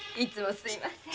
すみません。